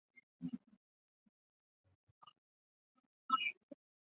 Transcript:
山西省五台县人。